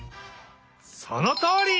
そのとおり！